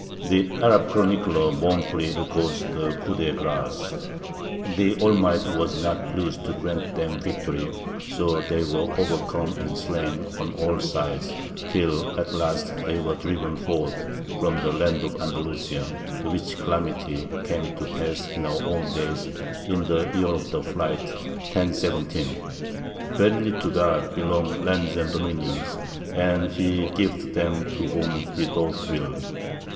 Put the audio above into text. The Arab chronicler mournfully records the coup de grâce; "The Almighty was not pleased to grant them victory, so they were overcome and slain on all sides, till at last they were driven forth from the land of Andalusia, the which calamity came to pass in our own days, in the year of the Flight, 1017. Verily to God belong lands and dominions, and He giveth them to whom He doth will."